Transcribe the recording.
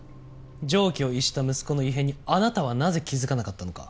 常軌を逸した息子の異変にあなたはなぜ気づかなかったのか。